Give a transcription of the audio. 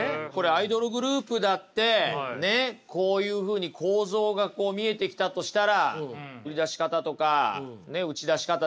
アイドルグループだってねっこういうふうに構造が見えてきたとしたら売り出し方とか打ち出し方ですか